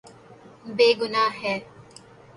یے گناہ ہے